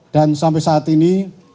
dan sampai saat ini